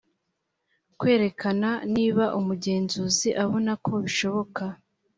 kwerekana niba umugenzuzi abonako bishoboka.